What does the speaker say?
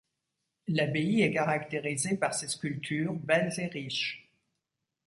L'abbaye est caractérisée par ses sculptures belles et riches.